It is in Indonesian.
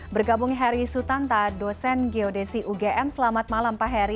bergabung heri sutanta dosen geodesi ugm selamat malam pak heri